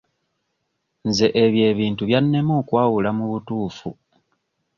Nze ebyo ebintu byannema okwawula mu butuufu.